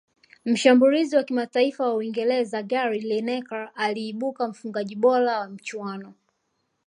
Mshambulizi wa kimataifa wa uingereza gary lineker aliibuka mfungaji bora wa michuano